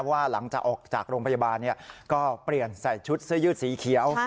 ว่าหลังจากออกจากโรงพยาบาลก็เปลี่ยนใส่ชุดเสื้อยืดสีเขียว